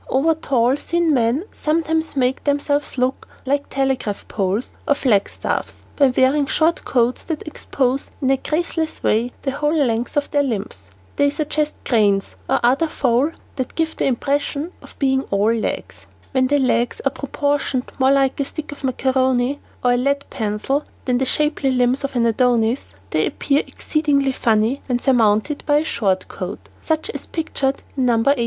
Over tall, thin men sometimes make themselves look like telegraph poles or flagstaffs by wearing short coats that expose in a graceless way the whole length of their limbs. They suggest cranes and other fowl that give the impression of being "all legs." [Illustration: NO. 88] When the legs are proportioned more like a stick of macaroni or a lead pencil than the shapely limbs of an Adonis, they appear exceedingly funny when surmounted by a short coat, such as pictured in No. 89.